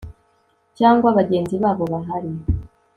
cyangwa bagenzi babo bahari